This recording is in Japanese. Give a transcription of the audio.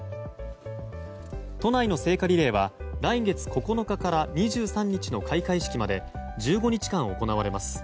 都内の聖火リレーは来月９日から２３日の開会式まで１５日間行われます。